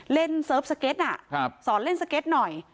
เล่นเสิร์ฟสเก็ตน่ะครับสอนเล่นสเก็ตหน่อย